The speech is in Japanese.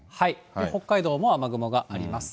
北海道も雨雲があります。